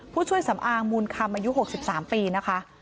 ผู้ช่วยสำอางมูลคำอายุ๖๓ปีนะคะ